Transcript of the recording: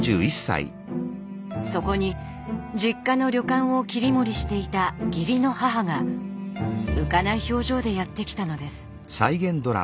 そこに実家の旅館を切り盛りしていた義理の母が浮かない表情でやって来たのです。